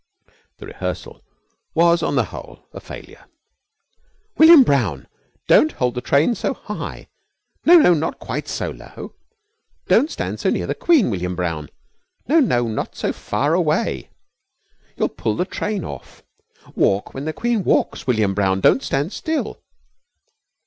The rehearsal was, on the whole, a failure. "William Brown, don't hold the train so high. No, not quite so low. Don't stand so near the Queen, William Brown. No, not so far away you'll pull the train off. Walk when the Queen walks, William Brown, don't stand still.